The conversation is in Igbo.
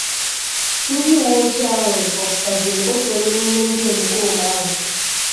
Ndị uweojii ahụ gbàgbùkwàzịrị otu onye n'ime ndị omekoome ahụ.